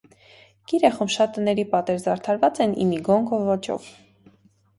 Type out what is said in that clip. Կիրեխում շատ տների պատեր զարդարված են իմիգոնգո ոճով։